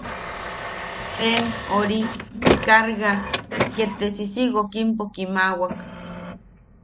Treen... ori... kaarga..., ket te sisiwookimpo kiimawak.